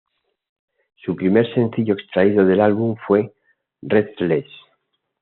Su primer sencillo extraído del álbum fue Restless.